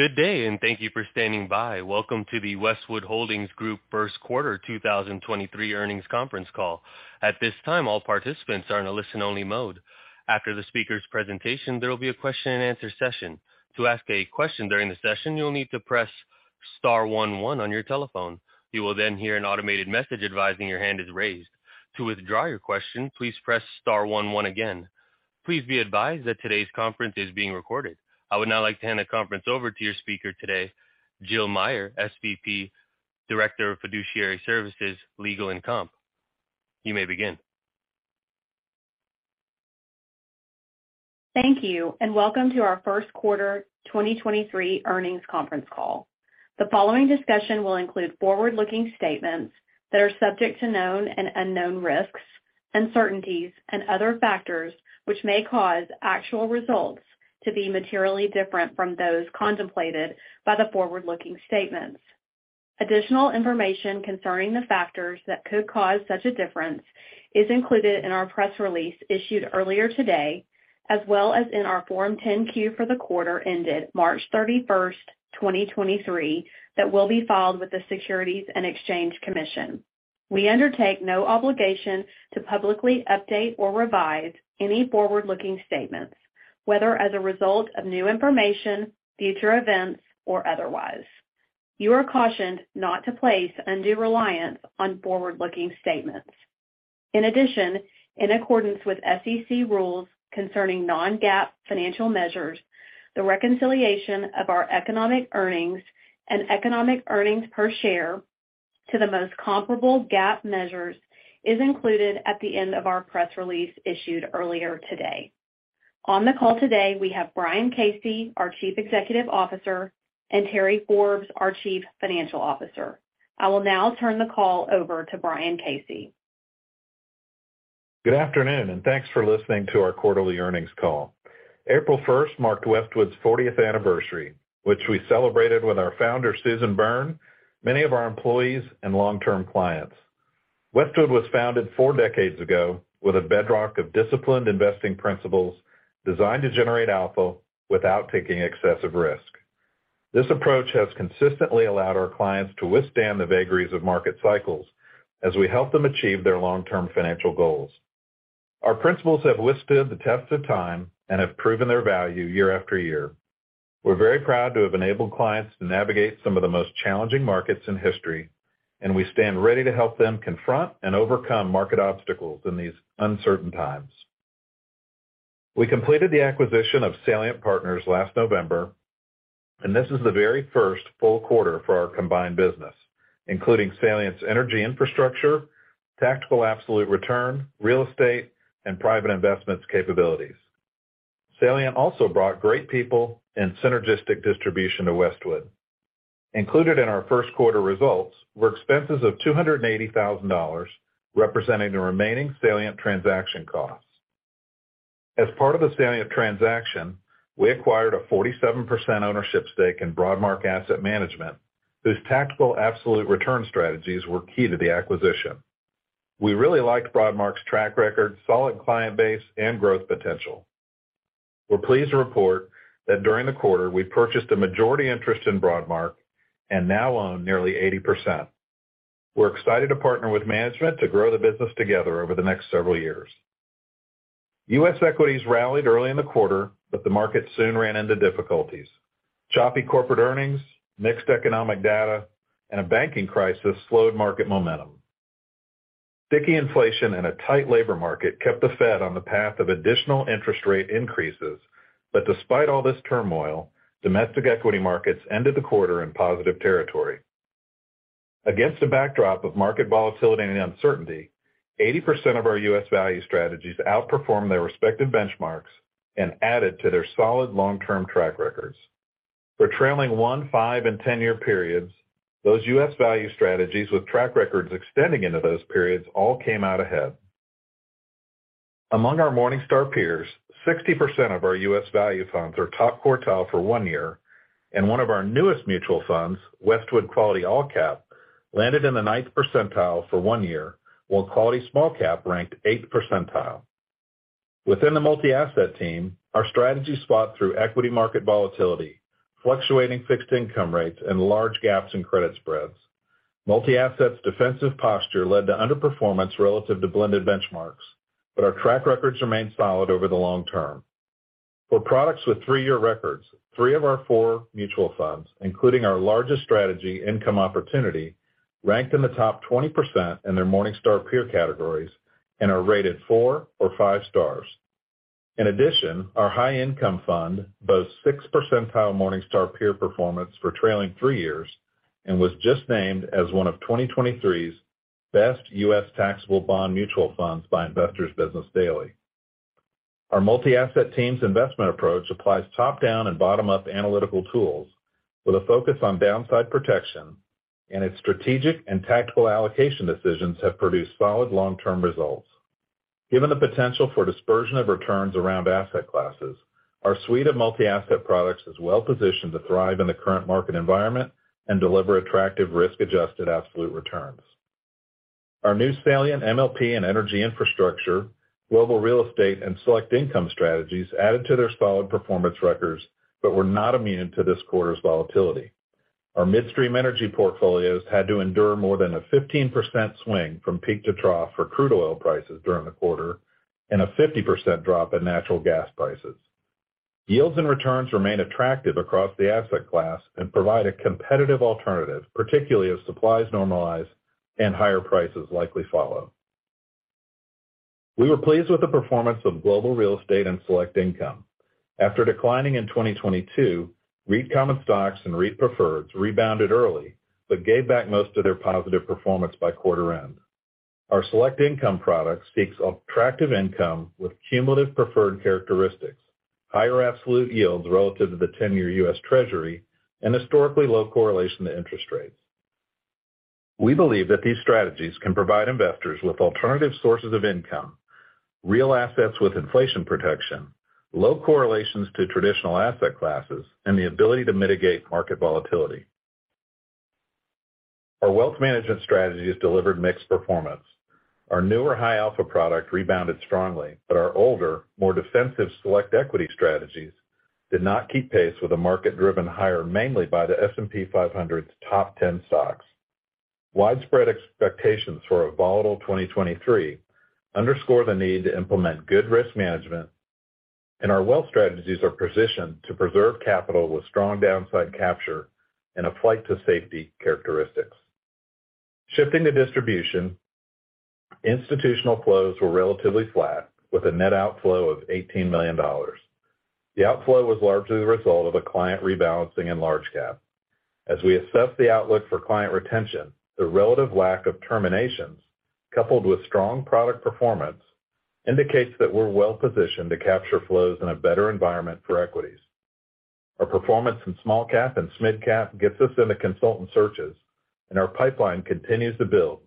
Good day. Thank you for standing by. Welcome to the Westwood Holdings Group First Quarter 2023 Earnings Conference Call. At this time, all participants are in a listen-only mode. After the speaker's presentation, there will be a question-and-answer session. To ask a question during the session, you'll need to press star one one on your telephone. You will then hear an automated message advising your hand is raised. To withdraw your question, please press star one one again. Please be advised that today's conference is being recorded. I would now like to hand the conference over to your speaker today, Jill Meyer, SVP, Director of Fiduciary Services, Legal and Comp. You may begin. Thank you, and welcome to our first quarter 2023 Earnings Conference Call. The following discussion will include forward-looking statements that are subject to known and unknown risks, uncertainties, and other factors which may cause actual results to be materially different from those contemplated by the forward-looking statements. Additional information concerning the factors that could cause such a difference is included in our press release issued earlier today, as well as in our Form 10-Q for the quarter ended March 31st, 2023, that will be filed with the Securities and Exchange Commission. We undertake no obligation to publicly update or revise any forward-looking statements, whether as a result of new information, future events, or otherwise. You are cautioned not to place undue reliance on forward-looking statements. In accordance with SEC rules concerning non-GAAP financial measures, the reconciliation of our Economic Earnings and Economic Earnings per share to the most comparable GAAP measures is included at the end of our press release issued earlier today. On the call today, we have Brian Casey, our Chief Executive Officer, and Terry Forbes, our Chief Financial Officer. I will now turn the call over to Brian Casey. Good afternoon. Thanks for listening to our quarterly earnings call. April first marked Westwood's 40th anniversary, which we celebrated with our founder, Susan Byrne, many of our employees and long-term clients. Westwood was founded four decades ago with a bedrock of disciplined investing principles designed to generate alpha without taking excessive risk. This approach has consistently allowed our clients to withstand the vagaries of market cycles as we help them achieve their long-term financial goals. Our principles have withstood the test of time and have proven their value year after year. We're very proud to have enabled clients to navigate some of the most challenging markets in history. We stand ready to help them confront and overcome market obstacles in these uncertain times. We completed the acquisition of Salient Partners last November. This is the very first full quarter for our combined business, including Salient's energy infrastructure, tactical absolute return, real estate, and private investments capabilities. Salient also brought great people and synergistic distribution to Westwood. Included in our first quarter results were expenses of $280,000, representing the remaining Salient transaction costs. As part of the Salient transaction, we acquired a 47% ownership stake in Broadmark Asset Management, whose tactical absolute return strategies were key to the acquisition. We really liked Broadmark's track record, solid client base, and growth potential. We're pleased to report that during the quarter, we purchased a majority interest in Broadmark and now own nearly 80%. We're excited to partner with management to grow the business together over the next several years. U.S. equities rallied early in the quarter, the market soon ran into difficulties. Choppy corporate earnings, mixed economic data, and a banking crisis slowed market momentum. Sticky inflation and a tight labor market kept the Fed on the path of additional interest rate increases. Despite all this turmoil, domestic equity markets ended the quarter in positive territory. Against a backdrop of market volatility and uncertainty, 80% of our U.S. value strategies outperformed their respective benchmarks and added to their solid long-term track records. For trailing one, five, and 10-year periods, those U.S. value strategies with track records extending into those periods all came out ahead. Among our Morningstar peers, 60% of our U.S. value funds are top quartile for one year, one of our newest mutual funds, Westwood Quality AllCap, landed in the ninth percentile for one year, while Quality SmallCap ranked eighth percentile. Within the multi-asset team, our strategy spot through equity market volatility, fluctuating fixed income rates, and large gaps in credit spreads. Multi-asset's defensive posture led to underperformance relative to blended benchmarks, our track records remain solid over the long term. For products with three-year records, three of our four mutual funds, including our largest strategy Income Opportunity, ranked in the top 20% in their Morningstar peer categories and are rated four or five stars. In addition, our High Income Fund boasts six percentile Morningstar peer performance for trailing three years and was just named as one of 2023's best U.S. taxable bond mutual funds by Investor's Business Daily. Our multi-asset team's investment approach applies top-down and bottom-up analytical tools with a focus on downside protection, and its strategic and tactical allocation decisions have produced solid long-term results. Given the potential for dispersion of returns around asset classes, our suite of multi-asset products is well positioned to thrive in the current market environment and deliver attractive risk-adjusted absolute returns. Our new Salient MLP & Energy Infrastructure, global real estate, and select income strategies added to their solid performance records, but were not immune to this quarter's volatility. Our midstream energy portfolios had to endure more than a 15% swing from peak to trough for crude oil prices during the quarter and a 50% drop in natural gas prices. Yields and returns remain attractive across the asset class and provide a competitive alternative, particularly as supplies normalize and higher prices likely follow. We were pleased with the performance of global real estate and Select Income. After declining in 2022, REIT common stocks and REIT preferreds rebounded early, but gave back most of their positive performance by quarter end. Our Select Income product seeks attractive income with cumulative preferred characteristics, higher absolute yields relative to the 10-year U.S. Treasury, and historically low correlation to interest rates. We believe that these strategies can provide investors with alternative sources of income, real assets with inflation protection, low correlations to traditional asset classes, and the ability to mitigate market volatility. Our wealth management strategies delivered mixed performance. Our newer High Alpha product rebounded strongly, but our older, more defensive Select Equity strategies did not keep pace with a market driven higher mainly by the S&P 500's top 10 stocks. Widespread expectations for a volatile 2023 underscore the need to implement good risk management, and our wealth strategies are positioned to preserve capital with strong downside capture and a flight to safety characteristics. Shifting to distribution, institutional flows were relatively flat with a net outflow of $18 million. The outflow was largely the result of a client rebalancing in large cap. As we assess the outlook for client retention, the relative lack of terminations, coupled with strong product performance, indicates that we're well-positioned to capture flows in a better environment for equities. Our performance in small cap and mid cap gets us into consultant searches. Our pipeline continues to build,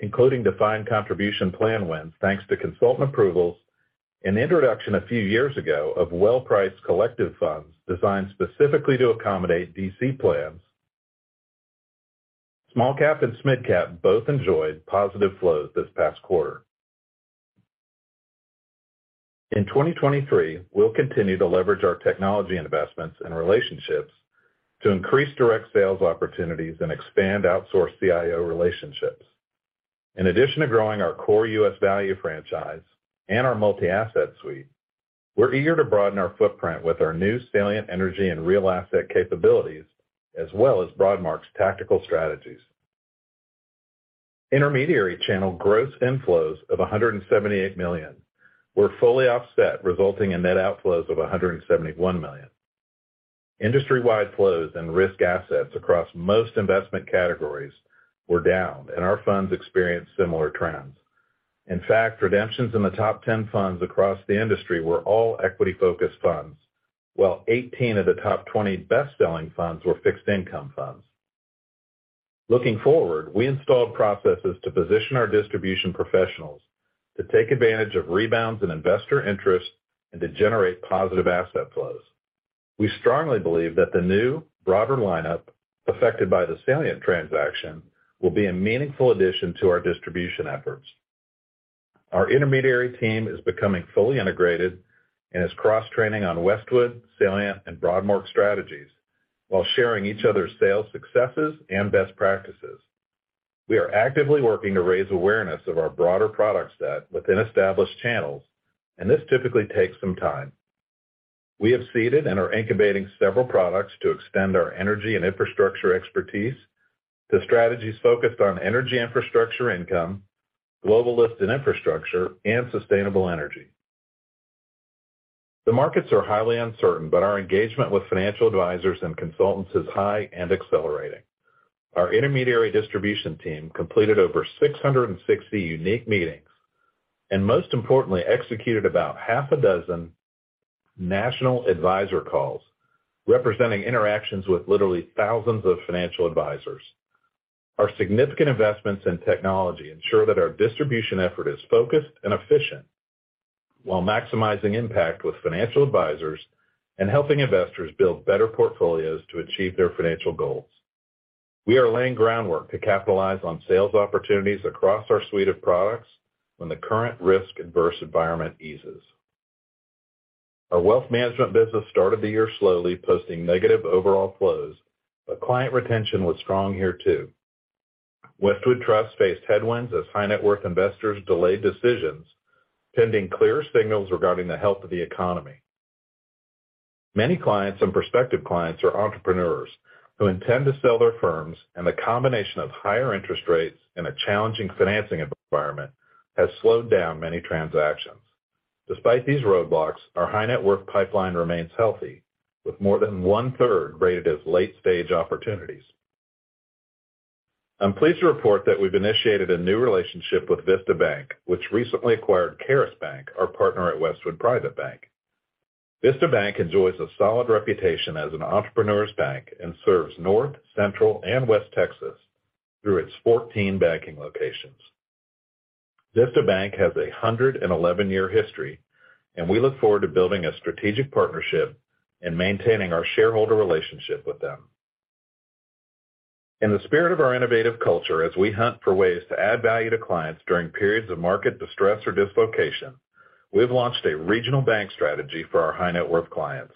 including defined contribution plan wins thanks to consultant approvals and introduction a few years ago of well-priced collective funds designed specifically to accommodate DC plans. Small cap and mid cap both enjoyed positive flows this past quarter. In 2023, we'll continue to leverage our technology investments and relationships to increase direct sales opportunities and expand outsource CIO relationships. In addition to growing our core U.S. value franchise and our multi-asset suite, we're eager to broaden our footprint with our new Salient energy and real asset capabilities as well as Broadmark's tactical strategies. Intermediary channel gross inflows of $178 million were fully offset, resulting in net outflows of $171 million. Industry-wide flows and risk assets across most investment categories were down. Our funds experienced similar trends. Redemptions in the top 10 funds across the industry were all equity-focused funds, while 18 of the top 20 best-selling funds were fixed income funds. Looking forward, we installed processes to position our distribution professionals to take advantage of rebounds in investor interest and to generate positive asset flows. We strongly believe that the new broader lineup affected by the Salient transaction will be a meaningful addition to our distribution efforts. Our intermediary team is becoming fully integrated and is cross-training on Westwood, Salient, and Broadmark strategies while sharing each other's sales successes and best practices. We are actively working to raise awareness of our broader product set within established channels. This typically takes some time. We have seeded and are incubating several products to extend our energy and infrastructure expertise to strategies focused on energy infrastructure income, global listed infrastructure, and sustainable energy. The markets are highly uncertain. Our engagement with financial advisors and consultants is high and accelerating. Our intermediary distribution team completed over 660 unique meetings. Most importantly, executed about half a dozen national advisor calls, representing interactions with literally thousands of financial advisors. Our significant investments in technology ensure that our distribution effort is focused and efficient while maximizing impact with financial advisors and helping investors build better portfolios to achieve their financial goals. We are laying groundwork to capitalize on sales opportunities across our suite of products when the current risk-averse environment eases. Our wealth management business started the year slowly, posting negative overall flows. Client retention was strong here too. Westwood Trust faced headwinds as high net worth investors delayed decisions pending clear signals regarding the health of the economy. Many clients and prospective clients are entrepreneurs who intend to sell their firms. The combination of higher interest rates and a challenging financing environment has slowed down many transactions. Despite these roadblocks, our high net worth pipeline remains healthy with more than 1/3 rated as late-stage opportunities. I'm pleased to report that we've initiated a new relationship with Vista Bank, which recently acquired Charis Bank, our partner at Westwood Private Bank. Vista Bank enjoys a solid reputation as an entrepreneur's bank and serves North, Central, and West Texas through its 14 banking locations. Charis Bank has a 111 year history. We look forward to building a strategic partnership and maintaining our shareholder relationship with them. In the spirit of our innovative culture, as we hunt for ways to add value to clients during periods of market distress or dislocation, we've launched a Regional Bank strategy for our high net worth clients.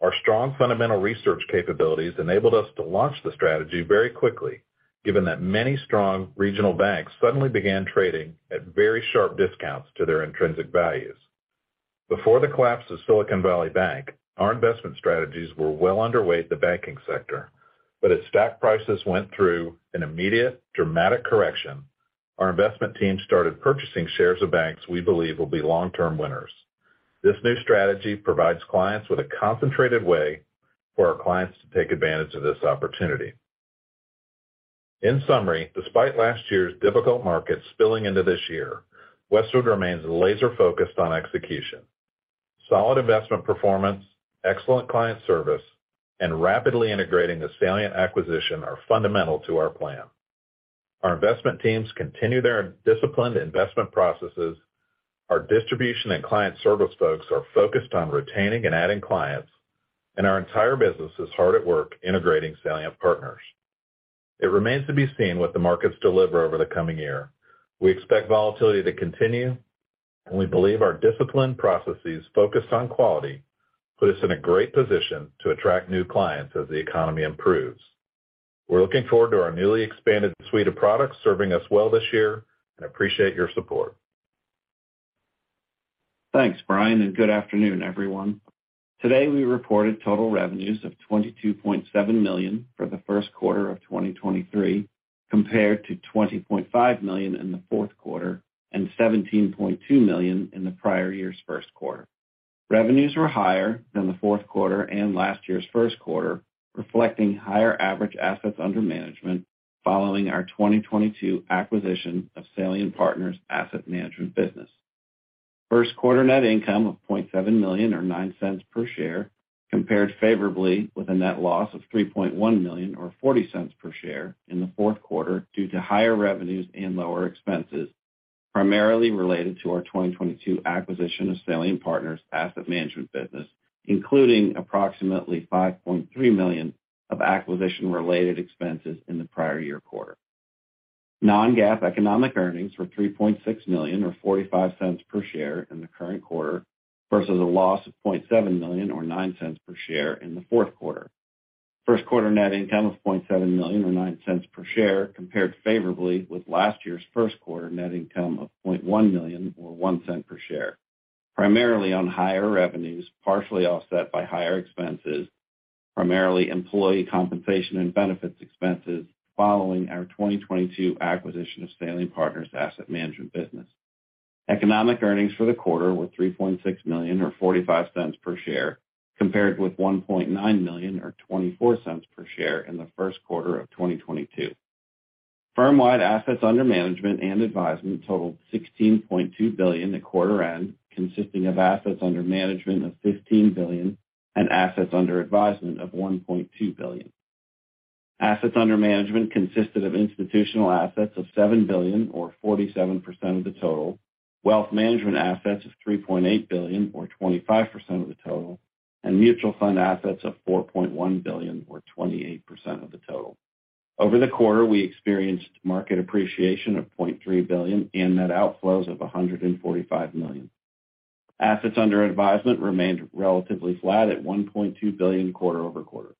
Our strong fundamental research capabilities enabled us to launch the strategy very quickly, given that many strong regional banks suddenly began trading at very sharp discounts to their intrinsic values. Before the collapse of Silicon Valley Bank, our investment strategies were well underway at the banking sector. As stock prices went through an immediate dramatic correction, our investment team started purchasing shares of banks we believe will be long-term winners. This new strategy provides clients with a concentrated way for our clients to take advantage of this opportunity. In summary, despite last year's difficult market spilling into this year, Westwood remains laser-focused on execution. Solid investment performance, excellent client service, and rapidly integrating the Salient acquisition are fundamental to our plan. Our investment teams continue their disciplined investment processes. Our distribution and client service folks are focused on retaining and adding clients, and our entire business is hard at work integrating Salient Partners. It remains to be seen what the markets deliver over the coming year. We expect volatility to continue, and we believe our disciplined processes focused on quality put us in a great position to attract new clients as the economy improves. We're looking forward to our newly expanded suite of products serving us well this year and appreciate your support. Thanks, Brian. Good afternoon, everyone. Today, we reported total revenues of $22.7 million for the first quarter of 2023, compared to $20.5 million in the fourth quarter and $17.2 million in the prior year's first quarter. Revenues were higher than the fourth quarter and last year's first quarter, reflecting higher average assets under management following our 2022 acquisition of Salient Partners asset management business. First quarter net income of $0.7 million or $0.09 per share compared favorably with a net loss of $3.1 million or $0.40 per share in the fourth quarter due to higher revenues and lower expenses, primarily related to our 2022 acquisition of Salient Partners asset management business, including approximately $5.3 million of acquisition-related expenses in the prior year quarter. Non-GAAP Economic Earnings were $3.6 million or $0.45 per share in the current quarter versus a loss of $0.7 million or $0.09 per share in the fourth quarter. First quarter net income of $0.7 million or $0.09 per share compared favorably with last year's first quarter net income of $0.1 million or $0.01 per share, primarily on higher revenues, partially offset by higher expenses, primarily employee compensation and benefits expenses following our 2022 acquisition of Salient Partners asset management business. Economic Earnings for the quarter were $3.6 million or $0.45 per share, compared with $1.9 million or $0.24 per share in the first quarter of 2022. Firm-wide assets under management and advisement totaled $16.2 billion at quarter end, consisting of assets under management of $15 billion and assets under advisement of $1.2 billion. Assets under management consisted of institutional assets of $7 billion or 47% of the total, wealth management assets of $3.8 billion or 25% of the total, and mutual fund assets of $4.1 billion or 28% of the total. Over the quarter, we experienced market appreciation of $0.3 billion and net outflows of $145 million. Assets under advisement remained relatively flat at $1.2 billion quarter-over-quarter.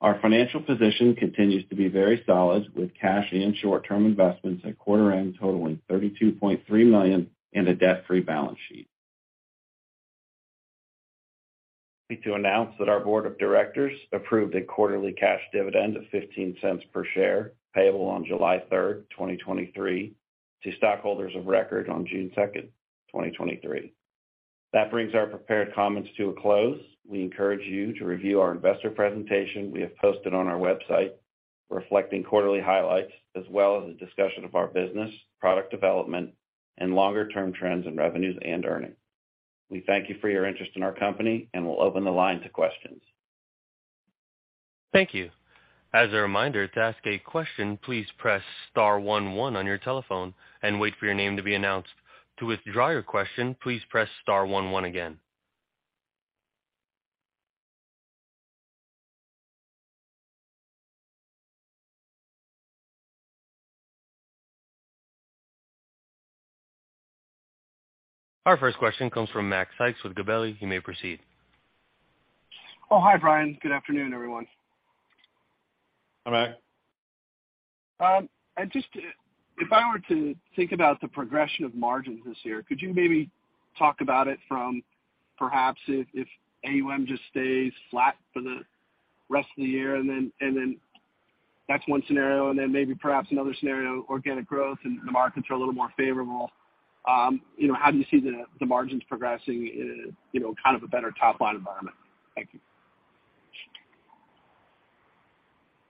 Our financial position continues to be very solid, with cash and short-term investments at quarter end totaling $32.3 million and a debt-free balance sheet. Me to announce that our board of directors approved a quarterly cash dividend of $0.15 per share, payable on July 3rd, 2023 to stockholders of record on June 2nd, 2023. That brings our prepared comments to a close. We encourage you to review our investor presentation we have posted on our website, reflecting quarterly highlights as well as a discussion of our business, product development, and longer-term trends in revenues and earnings. We thank you for your interest in our company, and we'll open the line to questions. Thank you. As a reminder to ask a question, please press star one one on your telephone and wait for your name to be announced. To withdraw your question, please press star 11 again. Our first question comes from Mac Sykes with Gabelli. You may proceed. Hi, Brian. Good afternoon, everyone. Hi, Mac. If I were to think about the progression of margins this year, could you maybe talk about it from perhaps if AUM just stays flat for the rest of the year, and then that's one scenario, and then maybe perhaps another scenario, organic growth and the markets are a little more favorable, you know, how do you see the margins progressing in, you know, kind of a better top-line environment? Thank you.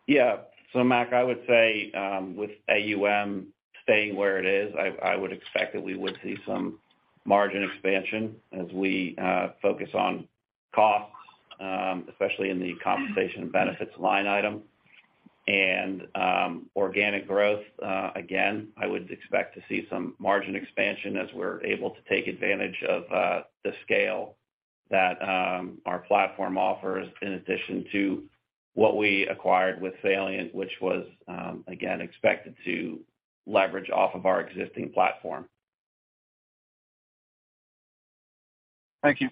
Yeah. Mac, I would say, with AUM staying where it is, I would expect that we would see some margin expansion as we focus on costs, especially in the compensation and benefits line item. Organic growth, again, I would expect to see some margin expansion as we're able to take advantage of the scale that our platform offers in addition to what we acquired with Salient, which was again, expected to leverage off of our existing platform. Thank you.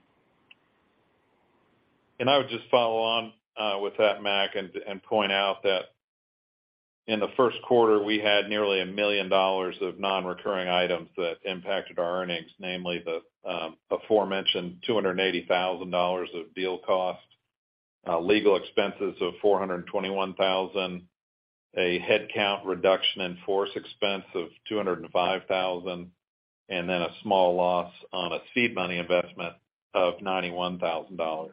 I would just follow on with that, Mac, and point out that in the first quarter, we had nearly $1 million of non-recurring items that impacted our earnings, namely the aforementioned $280,000 of deal cost, legal expenses of $421,000, a headcount reduction in force expense of $205,000, and then a small loss on a seed money investment of $91,000.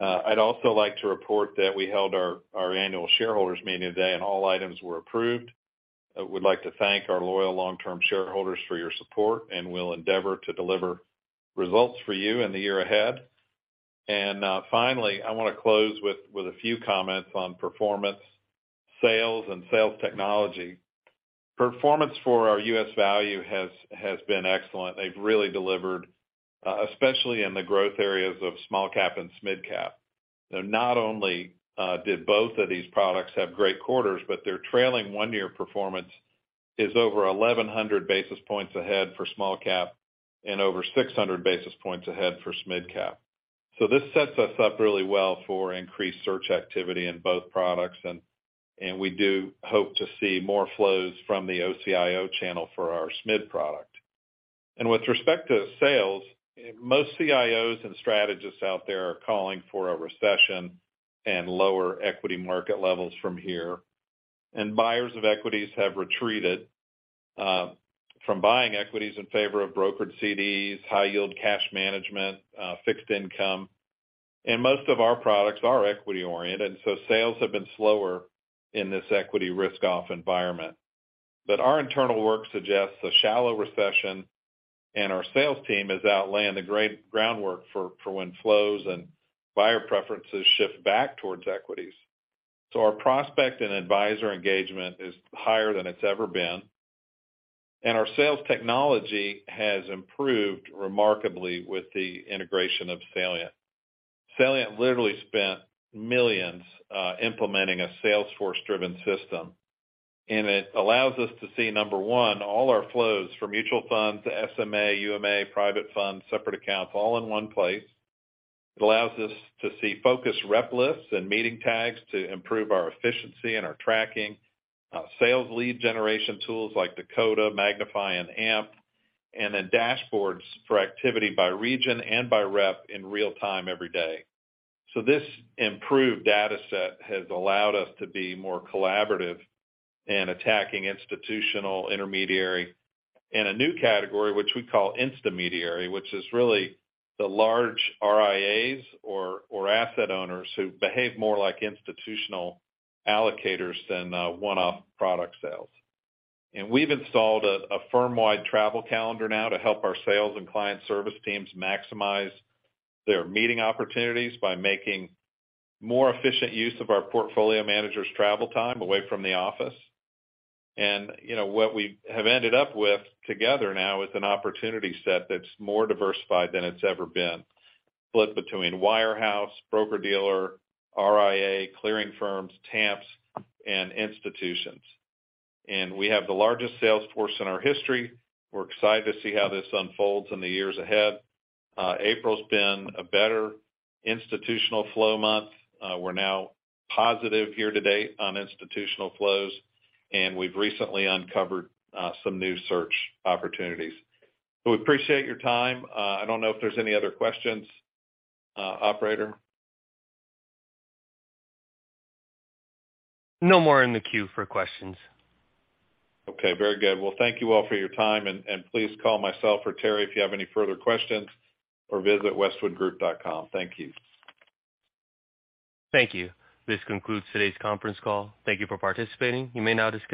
I'd also like to report that we held our annual shareholders meeting today, and all items were approved. I would like to thank our loyal long-term shareholders for your support, and we'll endeavor to deliver results for you in the year ahead. Finally, I wanna close with a few comments on performance, sales, and sales technology. Performance for our U.S. value has been excellent. They've really delivered, especially in the growth areas of SmallCap and SMidCap. Not only did both of these products have great quarters, but their trailing one-year performance is over 1,100 basis points ahead for small cap and over 600 basis points ahead for SMidCap. This sets us up really well for increased search activity in both products and we do hope to see more flows from the OCIO channel for our SMid product. With respect to sales, most CIOs and strategists out there are calling for a recession and lower equity market levels from here. Buyers of equities have retreated from buying equities in favor of brokered CDs, high yield cash management, fixed income. Most of our products are equity-oriented, so sales have been slower in this equity risk off environment. Our internal work suggests a shallow recession and our sales team is out laying the great groundwork for when flows and buyer preferences shift back towards equities. Our prospect and advisor engagement is higher than it's ever been. Our sales technology has improved remarkably with the integration of Salient. Salient literally spent millions implementing a sales force-driven system, and it allows us to see, number one, all our flows from mutual funds to SMA, UMA, private funds, separate accounts, all in one place. It allows us to see focused rep lists and meeting tags to improve our efficiency and our tracking, sales lead generation tools like Dakota, Magnifi, and AMP, and then dashboards for activity by region and by rep in real time every day. This improved data set has allowed us to be more collaborative in attacking institutional intermediary in a new category, which we call intermediary, which is really the large RIAs or asset owners who behave more like institutional allocators than one-off product sales. We've installed a firm-wide travel calendar now to help our sales and client service teams maximize their meeting opportunities by making more efficient use of our portfolio managers' travel time away from the office. You know, what we have ended up with together now is an opportunity set that's more diversified than it's ever been, split between wirehouse, broker-dealer, RIA, clearing firms, TAMPs, and institutions. We have the largest sales force in our history. We're excited to see how this unfolds in the years ahead. April's been a better institutional flow month. We're now positive year to date on institutional flows, and we've recently uncovered, some new search opportunities. We appreciate your time. I don't know if there's any other questions, operator? No more in the queue for questions. Okay. Very good. Well, thank you all for your time. Please call myself or Terry if you have any further questions, or visit westwoodgroup.com. Thank you. Thank you. This concludes today's conference call. Thank you for participating. You may now disconnect.